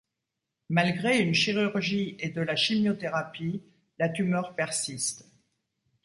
Malgré une chirurgie et de la chimiothérapie, la tumeur persiste.